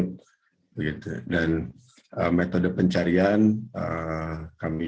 selain dari hati hati mereka juga sudah termasuk angkasa bahkan menjara itu sedang américa